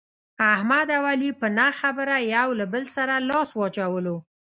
احمد او علي په نه خبره یو له بل سره لاس واچولو.